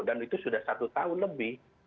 dan itu sudah satu tahun lebih